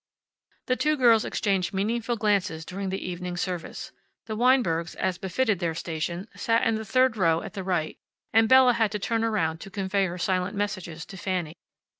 The two girls exchanged meaningful glances during the evening service. The Weinbergs, as befitted their station, sat in the third row at the right, and Bella had to turn around to convey her silent messages to Fanny.